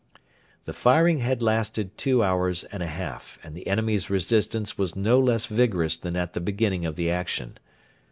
The firing had lasted two hours and a half, and the enemy's resistance was no less vigorous than at the beginning of the action.